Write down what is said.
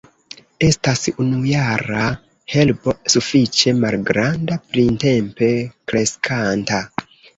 Estas unujara herbo sufiĉe malgranda, printempe kreskanta.